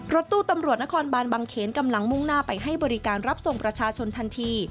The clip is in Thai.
รถตู้ตำรวจนครบานบางเขนกำลังมุ่งหน้าไปให้บริการรับส่งประชาชนทันที